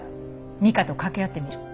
二課と掛け合ってみる。